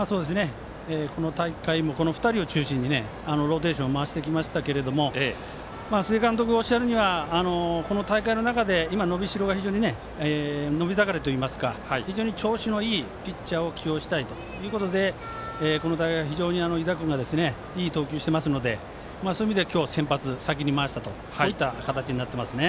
この大会もこの２人を中心にローテーションを回してきましたが須江監督は大会の中で伸びしろが非常に伸び盛りといいますか非常に調子のいいピッチャーを起用したいということでこの大会、湯田君がいい投球していますのでそういう意味で今日先発先に回したとこういった形になってますね。